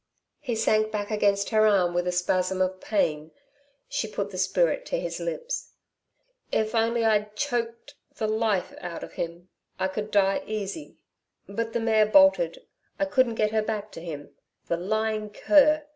He sank back against her arm with a spasm of pain. She put the spirit to his lips. "If only I'd choked the life out of him, I could die easy. But the mare bolted I couldn't get her back to him. The lying cur!